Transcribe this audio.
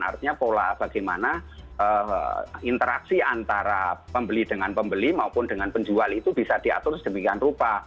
artinya pola bagaimana interaksi antara pembeli dengan pembeli maupun dengan penjual itu bisa diatur sedemikian rupa